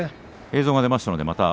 映像が出ました。